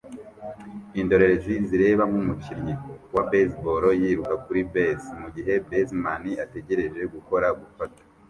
Indorerezi zireba nkumukinnyi wa baseball yiruka kuri base mugihe baseman ategereje gukora gufata